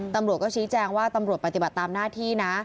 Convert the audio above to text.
ตำรวจก็ชี้แจงว่าตำรวจปฏิบัติตามหน้าที่นะ